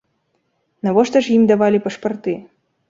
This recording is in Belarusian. Навошта ж ім давалі пашпарты?